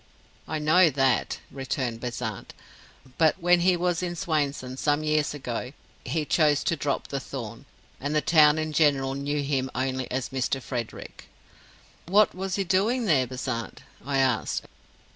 'I know that,' returned Bezant; 'but when he was in Swainson some years ago, he chose to drop the Thorn, and the town in general knew him only as Mr. Frederick.' 'What was he doing there, Bezant?' I asked.